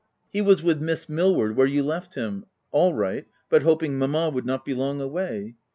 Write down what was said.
" He wa9 with Miss Millward where you left him — all right, but hoping mamma would not be long away.